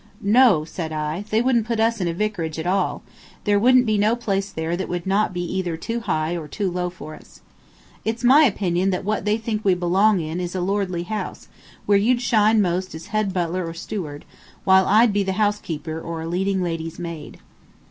"No," said I, "they wouldn't put us in a vicarage at all; there wouldn't be no place there that would not be either too high or too low for us. It's my opinion that what they think we belong in is a lordly house, where you'd shine most as head butler or a steward, while I'd be the housekeeper or a leading lady's maid."